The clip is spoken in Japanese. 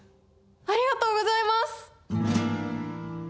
ありがとうございます！